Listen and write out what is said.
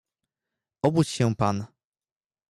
"Obudź się pan!"